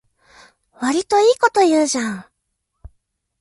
わりといいこと言うじゃん